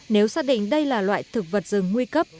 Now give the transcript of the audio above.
nếu xác định đây là loại thực vật rừng nguy cấp